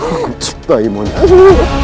aku cintai monyakmu